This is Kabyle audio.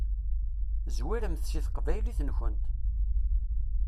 Zwiremt seg teqbaylit-nkent.